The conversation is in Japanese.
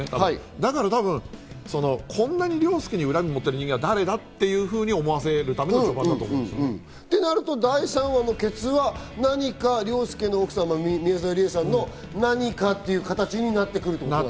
だから多分、こんなに凌介に恨みを持ってる人間が誰かって思わせるためだと。ってなると、第３話のケツは何か凌介の奥様、宮沢りえさんの何かっていう形になってくると。